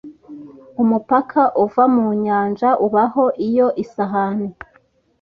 Umupaka uva mu nyanja ubaho iyo isahani